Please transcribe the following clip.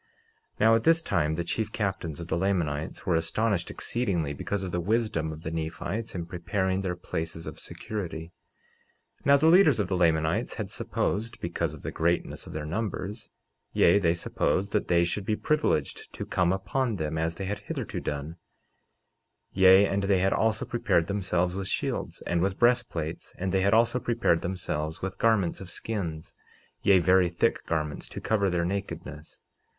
49:5 Now at this time the chief captains of the Lamanites were astonished exceedingly, because of the wisdom of the Nephites in preparing their places of security. 49:6 Now the leaders of the Lamanites had supposed, because of the greatness of their numbers, yea, they supposed that they should be privileged to come upon them as they had hitherto done; yea, and they had also prepared themselves with shields, and with breastplates; and they had also prepared themselves with garments of skins, yea, very thick garments to cover their nakedness.